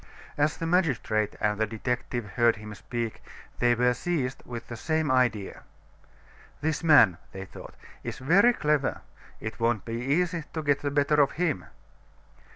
As the magistrate and the detective heard him speak, they were seized with the same idea. "This man," they thought, "is very clever; it won't be easy to get the better of him."